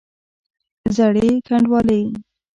زړې ګنډوالې!